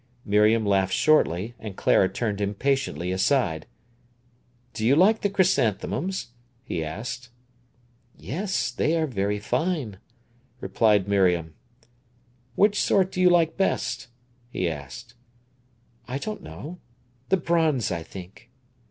Miriam laughed shortly, and Clara turned impatiently aside. "Do you like the chrysanthemums?" he asked. "Yes; they are very fine," replied Miriam. "Which sort do you like best?" he asked. "I don't know. The bronze, I think."